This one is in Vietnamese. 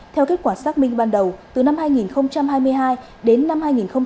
theo kết quả xác minh ban đầu từ năm hai nghìn hai mươi hai đến năm hai nghìn hai mươi ba